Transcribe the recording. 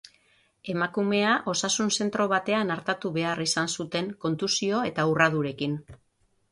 Emakumea osasun zentro batean artatu behar izan zuten, kontusio eta urradurekin.